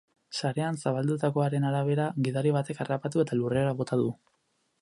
Sarean zabaldutakoaren arabera, gidari batek harrapatu eta lurrera bota du.